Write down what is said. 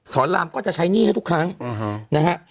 รามก็จะใช้หนี้ให้ทุกครั้งนะฮะ